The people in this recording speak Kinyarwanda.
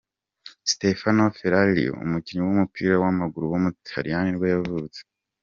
Stefano Ferrario, umukinnyi w’umupira w’amaguru w’umutaliyani nibwo yavutse.